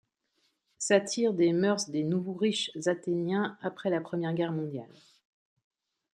Satire des mœurs des nouveaux riches athéniens après la première guerre mondiale.